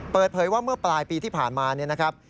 เปิดเผยว่าเมื่อปลายปีที่ผ่านมาเนี่ยนะครับ